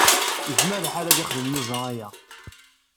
Yezmer lḥal ad yexdem Yuba aya.